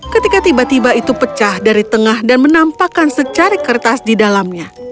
ketika tiba tiba itu pecah dari tengah dan menampakkan secari kertas di dalamnya